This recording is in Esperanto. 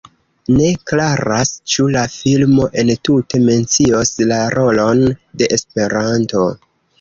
Ne klaras, ĉu la filmo entute mencios la rolon de Esperanto.